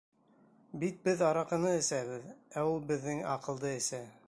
Бит беҙ араҡыны әсәбеҙ, ә ул беҙҙең аҡылды эсә.